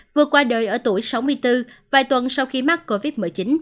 vừa qua đời ở tuổi sáu mươi bốn vài tuần sau khi mắc covid một mươi chín